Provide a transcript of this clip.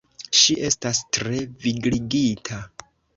Ŝi estas tre vigligita.